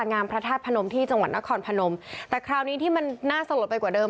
งามพระธาตุพนมที่จังหวัดนครพนมแต่คราวนี้ที่มันน่าสลดไปกว่าเดิม